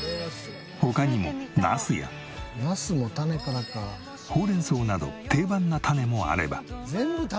他にもナスやほうれん草など定番な種もあれば。